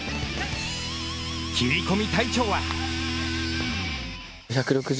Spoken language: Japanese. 切り込み隊長は。